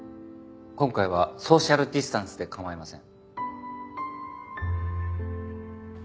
今回はソーシャルディスタンスで構いません。